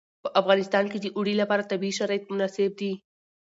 په افغانستان کې د اوړي لپاره طبیعي شرایط مناسب دي.